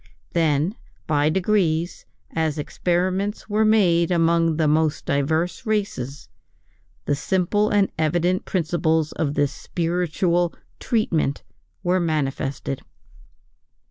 Then by degrees, as experiments were made among the most diverse races, the simple and evident principles of this spiritual "treatment" were manifested.